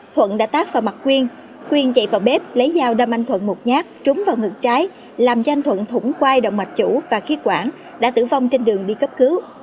thuận đã tát vào mặt quyên quyên chạy vào bếp lấy dao đâm anh thuận một nhát trúng vào ngực trái làm cho anh thuận thủng quai động mạch chủ và khí quản đã tử vong trên đường đi cấp cứu